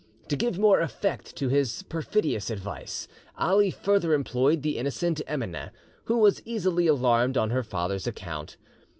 To give more effect to his perfidious advice, Ali further employed the innocent Emineh, who was easily alarmed on her father's account.